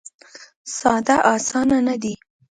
ساده اسانه نه دی.